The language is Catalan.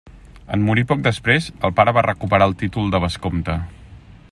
En morir poc després, el pare va recuperar el títol de vescomte.